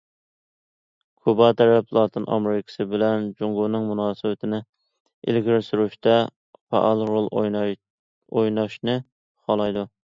كۇبا تەرەپ لاتىن ئامېرىكىسى بىلەن جۇڭگونىڭ مۇناسىۋىتىنى ئىلگىرى سۈرۈشتە پائال رول ئويناشنى خالايدۇ.